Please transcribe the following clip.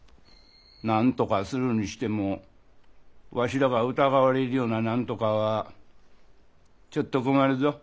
なんとかするにしてもわしらが疑われるようななんとかはちょっと困るぞ。